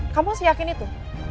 kamu masih yakin itu